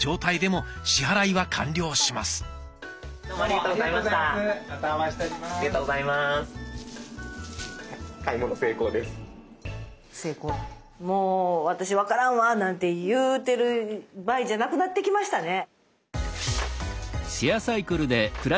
もう私分からんわなんて言うてる場合じゃなくなってきましたね。